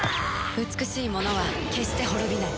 美しいものは決して滅びない。